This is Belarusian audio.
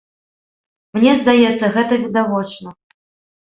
Мне здаецца, гэта відавочна.